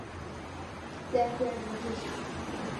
在黑暗中进行